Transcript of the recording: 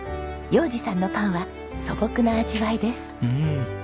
洋治さんのパンは素朴な味わいです。